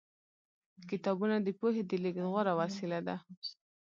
کتابونه د پوهې د لېږد غوره وسیله ده.